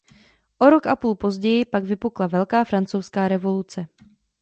O rok a půl později pak vypukla velká francouzská revoluce.